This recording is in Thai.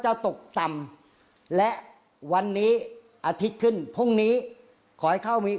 ตกต่ำและวันนี้อาทิตย์ขึ้นพรุ่งนี้ขอให้เข้ามี